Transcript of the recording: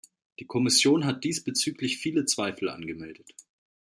Die Kommission hat diesbezüglich viele Zweifel angemeldet.